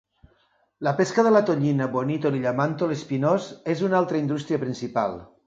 La pesca de la tonyina, bonítol i llamàntol espinós es una altra indústria principal.